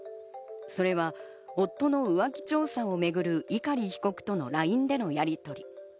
それは夫の浮気調査をめぐる碇被告とのＬＩＮＥでのやりとり。